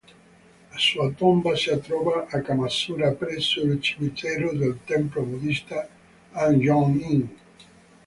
La sua tomba si trova a Kamakura presso il cimitero del tempio buddista An'yō-in.